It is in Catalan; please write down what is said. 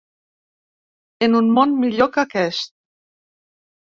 En un món millor que aquest.